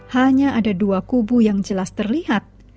hanya ada dua kubu yang jelas terlihat